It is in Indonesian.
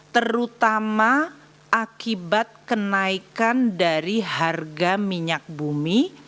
terutama akibat kenaikan dari harga minyak bumi